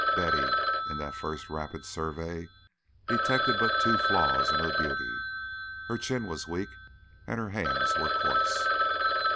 Betty, in that first rapid survey, detected but two flaws in her beauty: her chin was weak and her hands were coarse.